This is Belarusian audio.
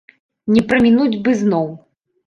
Не прамінуць бы зноў.